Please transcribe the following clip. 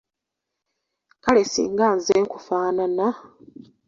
Kale singa nze nkufaanana.